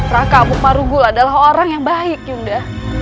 raka amuk marugu adalah orang yang baik yunda